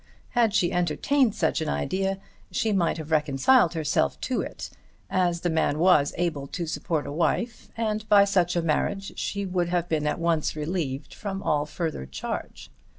Had she entertained such an idea she might have reconciled herself to it, as the man was able to support a wife, and by such a marriage she would have been at once relieved from all further charge.